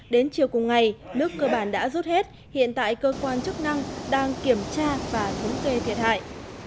đến chiều cùng ngày nước cơ bản đã rút hết hiện tại cơ quan chức năng đang kiểm tra và thống kê thiệt hại